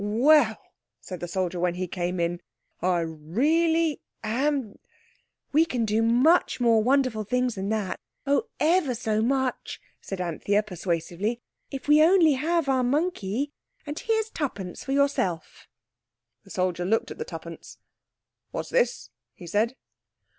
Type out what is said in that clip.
"Well!" said the soldier when he came in. "I really am—!" "We can do much more wonderful things than that—oh, ever so much," said Anthea persuasively, "if we only have our monkey. And here's twopence for yourself." The soldier looked at the twopence. "What's this?" he said.